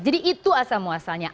jadi itu asal muasalnya